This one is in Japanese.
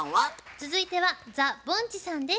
続いてはザ・ぼんちさんです。